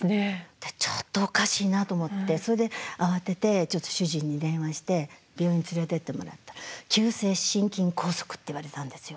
でちょっとおかしいなと思ってそれで慌ててちょっと主人に電話して病院連れてってもらったら急性心筋梗塞って言われたんですよ。